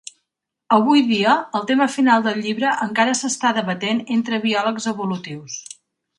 Avui dia, el tema final del llibre encara s'està debatent entre biòlegs evolutius.